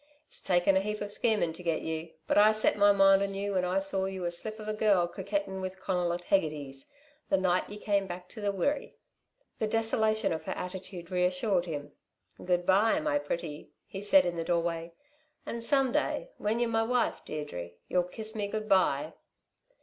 It's taken a heap of schemin' to get you but I set my mind on you when I saw you a slip of a girl coquettin' with Conal, at Hegarty's the night you came back to the Wirree." The desolation of her attitude reassured him. "Good bye, my pretty," he said in the doorway. "And someday, when y'r my wife, Deirdre, you'll kiss me good bye."